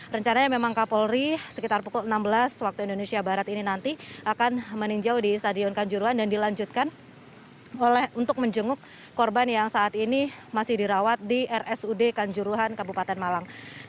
rencananya memang kapolri sekitar pukul enam belas waktu indonesia barat ini nanti akan meninjau di stadion kanjuruan dan dilanjutkan untuk menjenguk korban yang saat ini masih dirawat di rsud kanjuruhan kabupaten malang